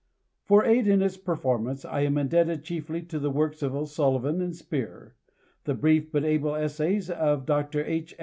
For aid in its performance, I am indebted chiefly to the works of O'SuUivan and Spear, the brief but able Essays of Dr. H.